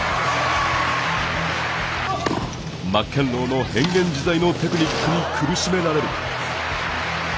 マッケンローの変幻自在のテクニックに苦しめられる。